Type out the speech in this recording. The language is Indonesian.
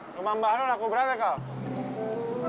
rumah mbak lu laku berapa kau